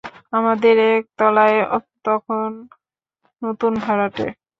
আমাদের একতলায় তখন নতুন ভাড়াটে।